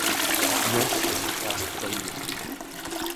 Dnes je součástí Belgie.